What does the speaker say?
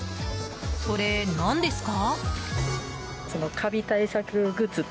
それ、何ですか？